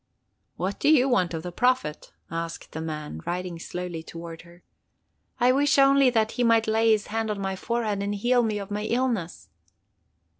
'What do you want of the Prophet?' asked the man, riding slowly toward her. 'I wish only that he might lay his hand on my forehead and heal me of my illness.